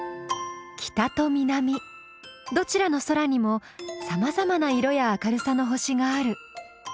どちらの空にもさまざまな色や明るさの星がある。